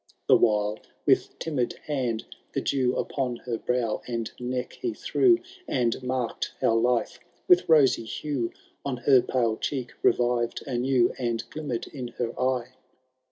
The while with timid band ibe dew Upon her brow and neck he threw. And marked how life with rosy hae On her pale cheek revived anew. And glimmerM in her eye.